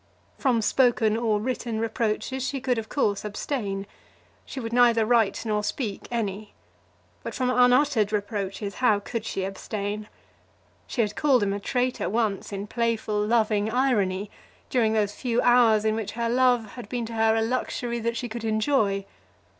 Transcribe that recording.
From spoken or written reproaches she could, of course, abstain. She would neither write nor speak any; but from unuttered reproaches how could she abstain? She had called him a traitor once in playful, loving irony, during those few hours in which her love had been to her a luxury that she could enjoy.